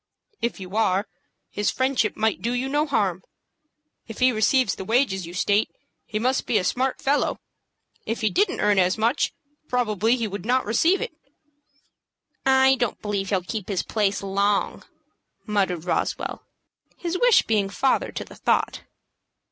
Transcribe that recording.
"If you are, his friendship might do you no harm. If he receives the wages you state, he must be a smart fellow. If he didn't earn as much, probably he would not receive it." "I don't believe he'll keep his place long," muttered Roswell, his wish being father to the thought.